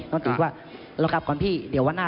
น้องติว่าเรากลับก่อนพี่เดี๋ยววันหน้า